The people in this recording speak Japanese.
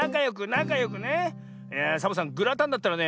いやあサボさんグラタンだったらね